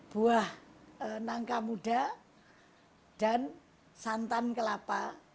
buah nangka muda dan santan kelapa